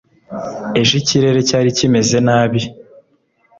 ejo ikirere cyari kimeze nabi